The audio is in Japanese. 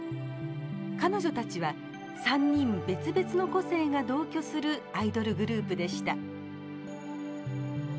彼女たちは３人別々の個性が同居するアイドルグループでした。